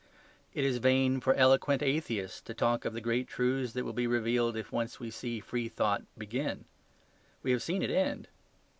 It is vain for eloquent atheists to talk of the great truths that will be revealed if once we see free thought begin. We have seen it end.